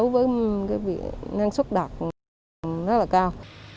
với cái năng suất đạt rất là cao